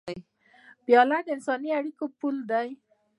پیاله د انساني اړیکو پُل ده.